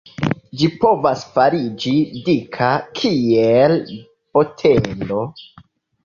Ĝi povas fariĝi dika kiel botelo.